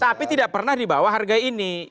tapi tidak pernah di bawah harga ini